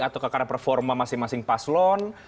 atau karena performa masing masing paslon